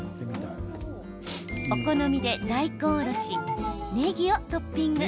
お好みで大根おろしねぎをトッピング。